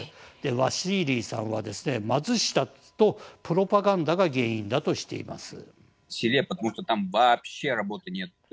ワシーリーさんは貧しさとプロパガンダが原因だとしています。